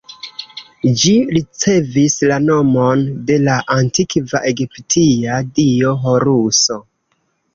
Ĝi ricevis la nomon de la antikva egiptia dio Horuso.